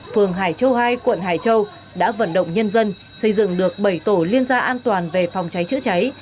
phường hải châu hai quận hải châu đã vận động nhân dân xây dựng được bảy tổ liên gia an toàn về phòng cháy chữa cháy